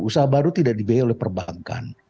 usaha baru tidak dibiayai oleh perbankan